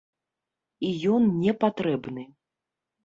І ён не патрэбны!